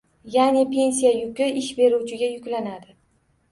Ya'ni, pensiya yuki ish beruvchiga yuklanadi